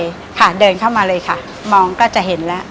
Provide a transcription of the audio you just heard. วันนี้ปรุงมาเลยค่ะมองก็จะเห็นแล้ว